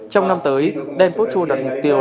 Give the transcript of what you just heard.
trong năm tới dancocho đặt mục tiêu